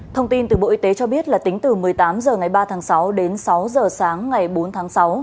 thông tin từ bộ y tế cho biết là tính từ một mươi tám h ngày ba tháng sáu đến sáu h sáng ngày bốn tháng sáu